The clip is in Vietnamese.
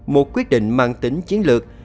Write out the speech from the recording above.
một quyết định mang tính chiến lược